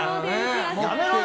やめろよ！